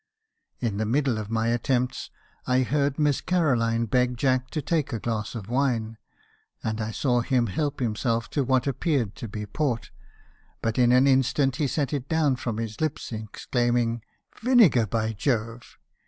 "In the middle of my attempts, I heard Miss Caroline beg Jack to take a glass of wine , and I saw him help himself to what appeared to be port; but in an instant he set it down from his lips, exclaiming * Vinegar, by Jove